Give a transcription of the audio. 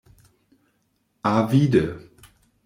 Avide.